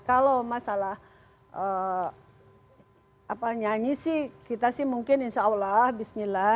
kalau masalah nyanyi sih kita sih mungkin insya allah bismillah